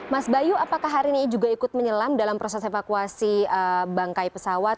mas bayu apakah hari ini juga ikut menyelam dalam proses evakuasi bangkai pesawat